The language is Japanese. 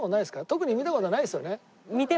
特に見た事ないですよね？